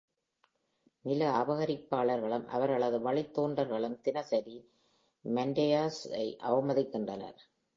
நில அபகரிப்பாளர்களும் அவர்களது வழித்தோன்றல்களும் தினசரி Mandayas-ஐ அவமதிக்கின்றனர்